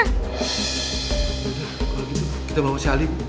yaudah kalau gitu kita bawa si alin